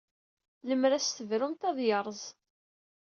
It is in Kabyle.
Lemmer ad as-tebrumt, ad yerẓ.